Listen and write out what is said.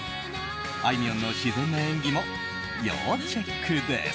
あいみょんの自然な演技も要チェックです。